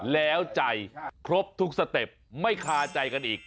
แล้วใจครบทุกสเต็ปไม่คาใจกันอีก